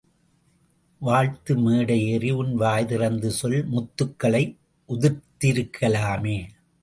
வாழ்த்த மேடை ஏறி உன் வாய்திறந்து சொல் முத்துக்களை உதிர்த்து இருக்கலாமே!